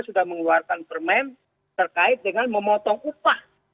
sudah mengeluarkan permen terkait dengan memotong upah